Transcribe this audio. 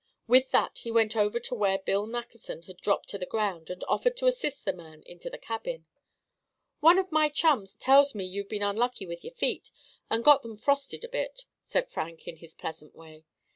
With that he went over to where Bill Nackerson had dropped to the ground, and offered to assist the man into the cabin. "One of my chums tells me you've been unlucky with your feet, and got them frosted a bit," Frank said, in his pleasant way.